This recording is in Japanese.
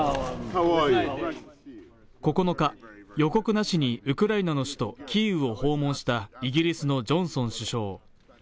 ９日、予告なしにウクライナの首都キーウを訪問したイギリスのジョンソン首相。